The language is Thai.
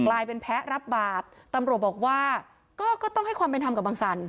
กลายเป็นแพ้รับบาปตำรวจบอกว่าก็ก็ต้องให้ความเป็นธรรมกับบังสัน